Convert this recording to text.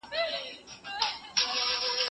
تجربه د ژوند تر ټولو لوی استاد دی.